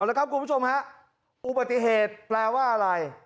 เอาละครับคุณผู้ชมครับอุบัติเหตุแปลว่าอะไร